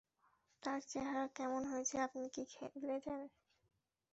তার চেহারা কেমন হয়েছে আপনি কি খেলছেন?